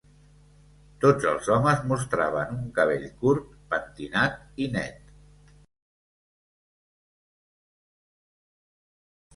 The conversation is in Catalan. Tots els homes mostraven un cabell curt, pentinat i net.